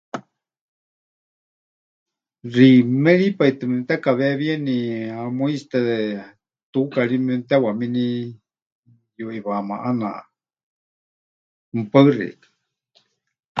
Xiimeri pai tɨ memɨtekaweewieni hamuitsite, tuuka ri memɨtewamini yuʼiwaáma ʼaana. Mɨpaɨ xeikɨ́a.